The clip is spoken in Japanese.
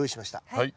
はい。